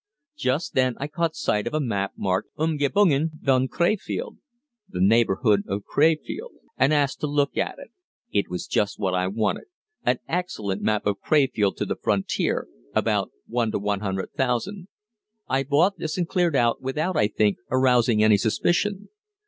Just then I caught sight of a map marked "Umgebungen von Krefeld" (The Neighborhood of Crefeld), and asked to look at it. It was just what I wanted, an excellent map of Crefeld to the frontier, about 1:100,000. I bought this and cleared out, without, I think, arousing any suspicion.